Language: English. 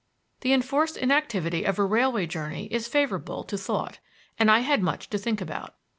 The enforced inactivity of a railway journey is favorable to thought, and I had much to think about.